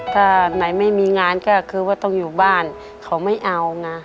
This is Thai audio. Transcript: ถ้าไหนไม่มีงานก็คือว่าต้องอยู่บ้านเขาไม่เอาไง